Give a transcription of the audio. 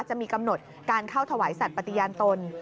จะมีกำหนดการเข้าถวายสัตว์ปฏิญาณตน